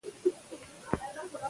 قلم د انسان د لاس ژبه ده.